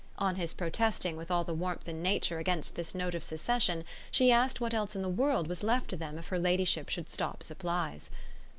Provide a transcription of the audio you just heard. On his protesting with all the warmth in nature against this note of secession she asked what else in the world was left to them if her ladyship should stop supplies.